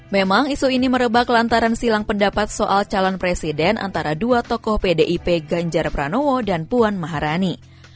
memang isu ini merebak lantaran silang pendapat soal calon presiden antara dua tokoh pdip ganjar pranowo dan puan maharani